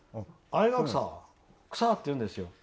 「あれくさ」って言うんですよ。